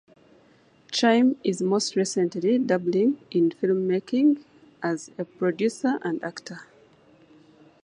Trym is most recently dabbling in filmmaking as a producer and actor.